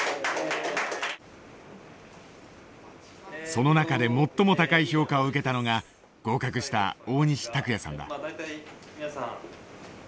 その中で最も高い評価を受けたのが合格した大西卓哉さんだ。